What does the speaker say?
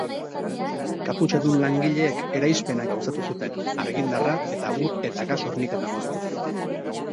Kaputxadun langileek eraispena gauzatu zuten, argindarra eta ur eta gas horniketa moztuz.